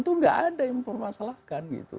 itu tidak ada yang mempermasalahkan